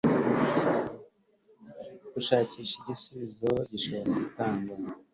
gushakisha igisubizo gishobora gutangwa